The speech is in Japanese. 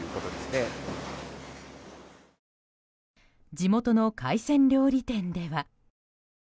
地元の海鮮料理店では。